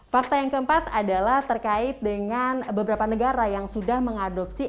fakta yang keempat adalah terkait dengan beberapa negara yang sudah mengadopsi